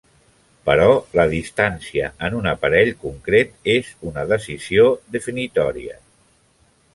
Però la distància en un aparell concret és una decisió definitòria.